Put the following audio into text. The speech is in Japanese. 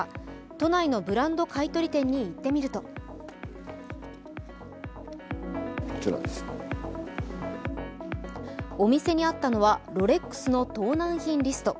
都内のブランド買取店に行ってみるとお店にあったのはロレックスの盗難品リスト。